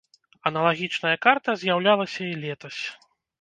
Аналагічная карта з'яўлялася і летась.